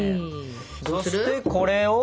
そしてこれを。